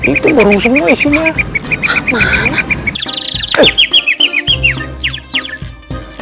ini ada tulung budak